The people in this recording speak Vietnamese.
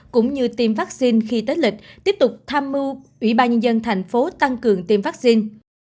cũng như tiêm vắc xin khi tết lịch tiếp tục tham mưu ủy ban nhân dân thành phố tăng cường tiêm vắc xin